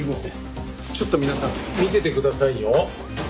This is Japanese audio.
ちょっと皆さん見ててくださいよ。